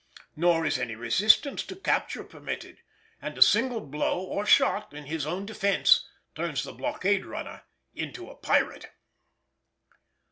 Nor is any resistance to capture permitted, and a single blow or shot in his own defence turns the blockade runner into a pirate.